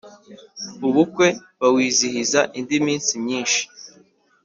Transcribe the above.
ubukwe bawizihiza indi minsi myishi